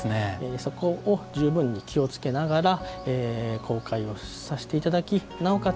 そこを十分に気をつけながら公開をさせていただき、なおかつ